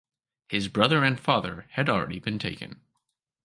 His brother and father had already been taken.